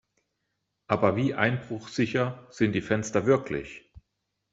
Aber wie einbruchsicher sind die Fenster wirklich?